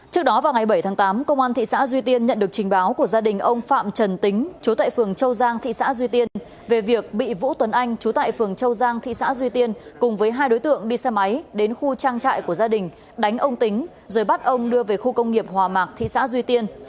trước đó vào ngày bảy tháng tám công an thị xã duy tiên nhận được trình báo của gia đình ông phạm trần tính chú tại phường châu giang thị xã duy tiên về việc bị vũ tuấn anh chú tại phường châu giang thị xã duy tiên cùng với hai đối tượng đi xe máy đến khu trang trại của gia đình đánh ông tính rồi bắt ông đưa về khu công nghiệp hòa mạc thị xã duy tiên